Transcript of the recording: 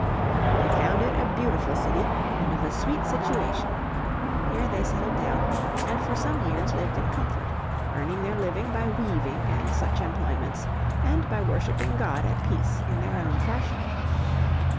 They found it "a beautiful city and of a sweet situation." Here they settled down and for some years lived in comfort, earning their living by weaving and such employments, and worshipping God at peace in their own fashion.